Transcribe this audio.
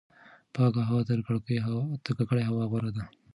پاکه هوا تر ککړې هوا غوره ده.